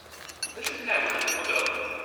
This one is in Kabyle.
D acu-ten iɛewwiqen i d-temmugreḍ?